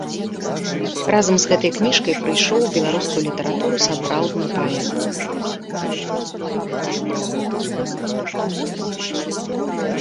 Разам з гэтай кніжкай прыйшоў у беларускую літаратуру сапраўдны паэт.